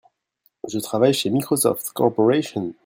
Je travaille chez Microsoft Corporation.